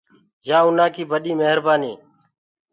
يآ اُنآ ڪي وڏي مهرنآنيٚ۔